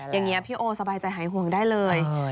อย่างนี้พี่โอสบายใจหายห่วงได้เลย